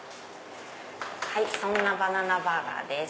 そんなバナナ⁉バーガーです。